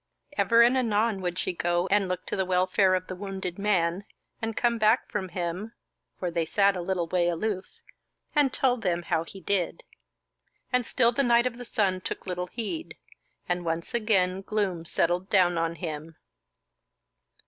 Ever and anon would she go and look to the welfare of the wounded man, and come back from him (for they sat a little way aloof), and tell them how he did. And still the Knight of the Sun took little heed, and once again gloom settled down on him.